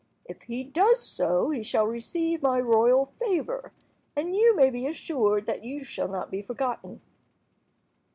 If he does so he shall receive my royal favour, and you may be assured that you shall not be forgotten."